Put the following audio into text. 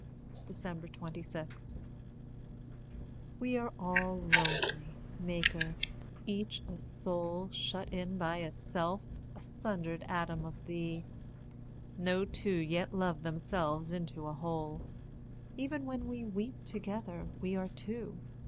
26. We all are lonely, Maker each a soul Shut in by itself, a sundered atom of thee. No two yet loved themselves into a whole; Even when we weep together we are two.